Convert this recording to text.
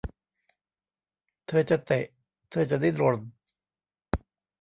เธอจะเตะ เธอจะดิ้นรน